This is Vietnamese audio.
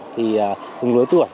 thì từng lứa tuổi